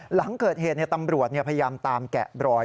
หลังเกิดเหตุตำรวจพยายามตามแกะบรอย